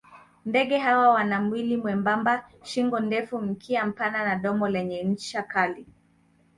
Ndege hawa wana mwili mwembamba, shingo ndefu, mkia mpana na domo lenye ncha kali.